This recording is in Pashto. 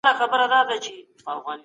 سياست د ټولنې د رهبرۍ لپاره پرېکړې کوي.